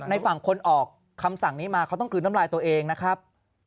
ในฝั่งคนออกคำสั่งนี้มาเขาต้องกลืนน้ำลายตัวเองนะครับ